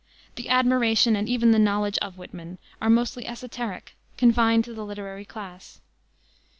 The admiration, and even the knowledge of Whitman, are mostly esoteric, confined to the literary class.